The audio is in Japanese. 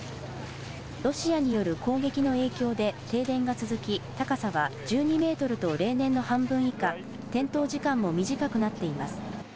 ロシアによる攻撃の影響で停電が続き、高さは１２メートルと例年の半分以下、点灯時間も短くなっています。